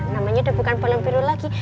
namanya udah bukan balon biru lagi